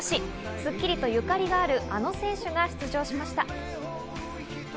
『スッキリ』とゆかりのあるあの選手が出場しました。